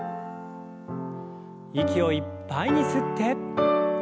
息をいっぱいに吸って。